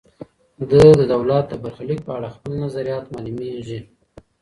ده د دولت د برخلیک په اړه خپل نظریات معلوميږي.